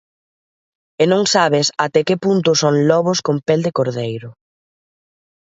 E non sabes até que punto son lobos con pel de cordeiro.